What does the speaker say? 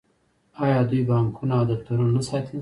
آیا دوی بانکونه او دفترونه نه ساتي؟